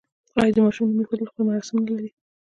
آیا د ماشوم نوم ایښودل خپل مراسم نلري؟